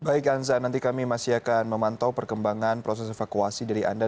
baik anza nanti kami masih akan memantau perkembangan proses evakuasi dari anda